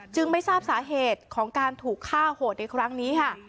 ไม่ทราบสาเหตุของการถูกฆ่าโหดในครั้งนี้ค่ะ